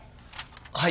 はい。